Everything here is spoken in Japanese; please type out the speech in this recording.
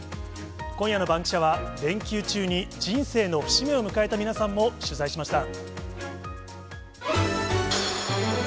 今夜のバンキシャは、連休中に人生の節目を迎えた皆さんを取材しました。